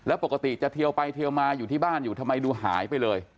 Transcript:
แล้วปกติจะเทียวไปเทียวมาอยู่ที่บ้านอยู่ทำไมดูหายไปเลย